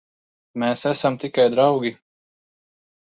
Mēs esam tikai draugi.